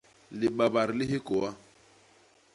Libabat li hikôa.